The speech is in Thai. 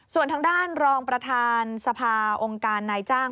ส่วนทางด้านรองประธานสภาองค์การนายจ้าง